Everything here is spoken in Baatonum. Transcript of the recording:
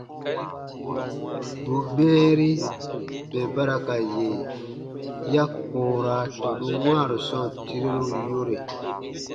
Bù mɛɛri mɛ̀ ba ra ka yè ya koora tɔnun wãaru sɔɔn tireru yore.